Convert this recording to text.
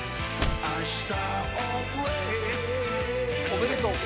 おめでとう。